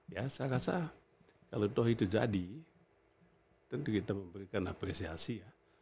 ya saya rasa kalau toh itu jadi tentu kita memberikan apresiasi ya